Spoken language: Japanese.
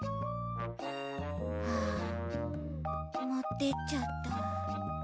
ああもってっちゃった。